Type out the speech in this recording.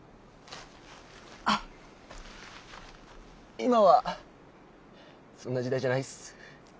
あ今はそんな時代じゃないっす。